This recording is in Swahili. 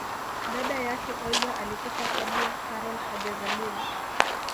dada yake olga alikufa kabla karol hajazaliwa